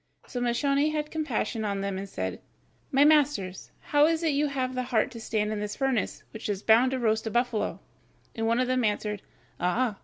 So Moscione had compassion on them and said, "My masters, how is it you have the heart to stand in this furnace, which is bound to roast a buffalo?" And one of them answered: "Ah!